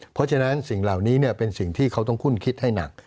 เพราะฉะนั้นสิ่งเหล่านี้เป็นสิ่งที่เขาต้องคุ้นคิดให้หนัก